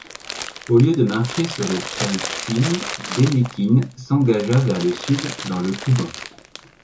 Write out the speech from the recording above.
Au lieu de marcher sur Tsaritsyne Dénikine s'engagea vers le sud dans le Kouban.